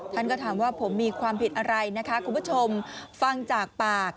ท่านก็ถามว่าผมมีความผิดอะไรนะคะคุณผู้ชมฟังจากปาก